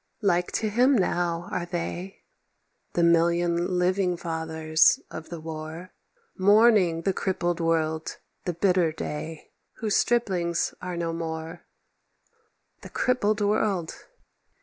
Like to him now are they, The million living fathers of the War— Mourning the crippled world, the bitter day— Whose striplings are no more. The crippled world!